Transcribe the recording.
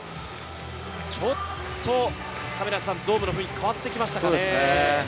ちょっとドームの雰囲気が変わってきましたね。